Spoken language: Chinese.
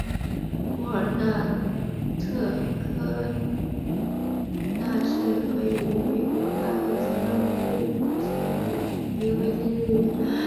沃尔纳特科纳是位于美国阿肯色州菲利普斯县的一个非建制地区。